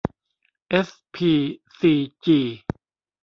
เอสพีซีจี